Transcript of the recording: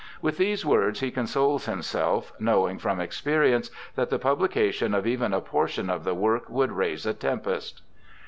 With these words he consoles himself, knowing from experience that the publication of even a portion of the work would raise a tempest.